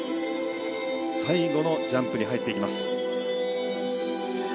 最後のジャンプに入っていきます。